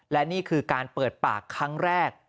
และนี่คือการเปิดปากครั้งแรก